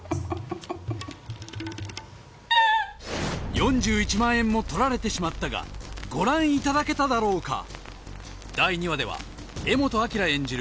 ４１万円も取られてしまったがご覧いただけただろうか第２話では柄本明演じる